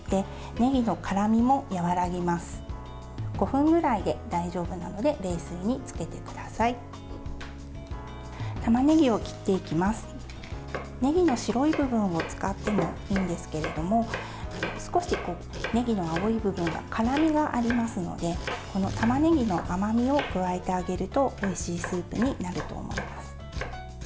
ねぎの白い部分を使ってもいいんですけれども少し、ねぎの青い部分は辛みがありますのでたまねぎの甘みを加えてあげるとおいしいスープになると思います。